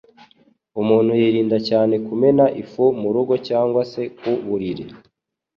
Umuntu yirinda cyane kumena ifu mu rugo, cyangwa se ku buriri,